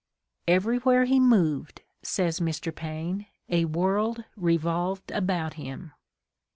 '' Everywhere he moved, '' says Mr. Paine, "a world revolved about him."